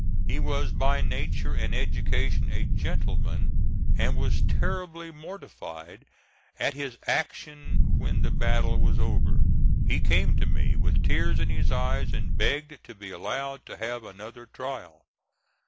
He was by nature and education a gentleman, and was terribly mortified at his action when the battle was over. He came to me with tears in his eyes and begged to be allowed to have another trial.